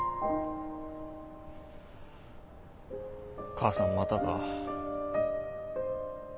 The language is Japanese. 母さんまたか。